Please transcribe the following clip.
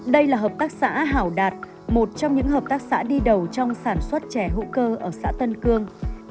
đây là hợp tác xã hảo đạt một trong những hợp tác xã đi đầu trong sản xuất chè hữu cơ ở xã tân cương